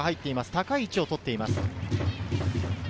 高い位置をとっています。